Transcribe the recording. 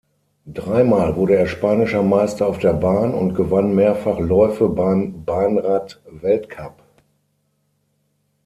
Dreimal wurde er spanischer Meister auf der Bahn und gewann mehrfach Läufe beim Bahnrad-Weltcup.